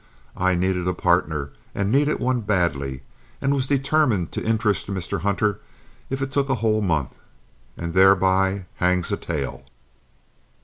I needed a partner and needed one badly, and was determined to interest Mr. Hunter if it took a whole month. And thereby hangs a tale.